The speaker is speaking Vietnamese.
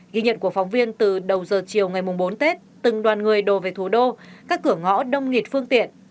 ghi nhận của phóng viên từ đầu giờ chiều ngày bốn tết từng đoàn người đổ về thủ đô các cửa ngõ đông nghịt phương tiện